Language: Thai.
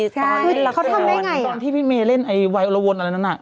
ตอนที่พี่เมย์เล่นไว้อุระวนอะไรนั้น